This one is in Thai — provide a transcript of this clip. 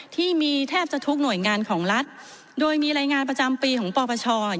ที่มีแทบจะทุกหน่วยงานของรัฐโดยมีรายงานประจำปีของปปช